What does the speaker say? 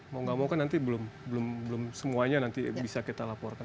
mau gak mau kan nanti belum semuanya nanti bisa kita laporkan